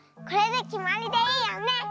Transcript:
これできまりでいいよね！